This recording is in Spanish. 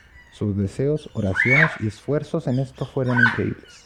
Sus deseos, oraciones y esfuerzos en esto fueron increíbles.